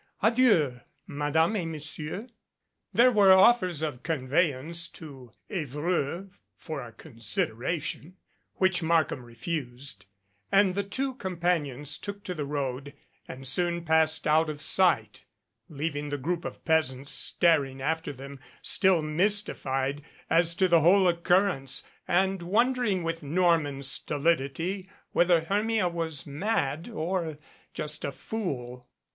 Adieu, Madame ct Monsieur." There were offers of conveyance to Evreux (for a con 114 THE FAIRY GODMOTHER sideration), which Markham refused, and the two com panions took to the road and soon passed out of sight, leaving the group of peasants staring after them, still mystified as to the whole occurrence and wondering with Norman stolidity whether Hermia was mad or just a fool.